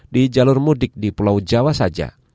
di jalur mudik di pulau jawa saja